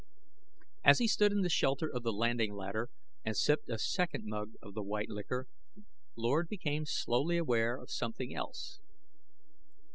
As he stood in the shelter of the landing ladder and sipped a second mug of the white liquor, Lord became slowly aware of something else.